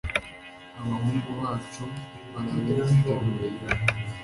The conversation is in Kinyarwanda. abahungu bacu barabe nk'ingemwe